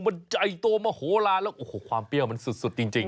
มันใหญ่โตมโหลานแล้วโอ้โหความเปรี้ยวมันสุดจริง